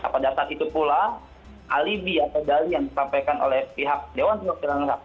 pada saat itu pula alibi atau dalian disampaikan oleh pihak dewan perwakilan